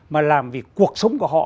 mà làm vì cuộc sống của họ